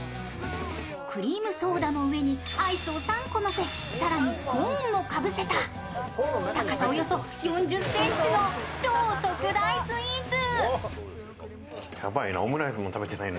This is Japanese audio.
クリームソーダの上にアイスを３個のせ、更にコーンもかぶせた、高さおよそ４０ｃｍの超特大スイーツ。